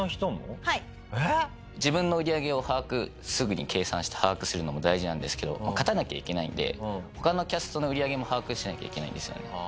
自分の売り上げを把握すぐに計算して把握するのも大事なんですけど勝たなきゃいけないので他のキャストの売り上げも把握しなきゃいけないんですよね。